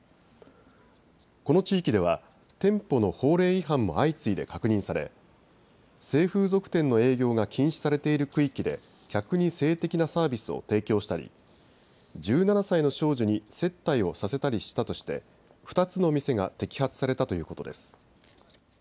この地域では店舗の法令違反も相次いで確認され性風俗店の営業が禁止されている区域で客に性的なサービスを提供したり１７歳の少女に接待をさせたりしたとして２つの店が摘発されたということです。